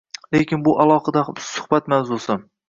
Lekin bu alohida suhbat mavzusi.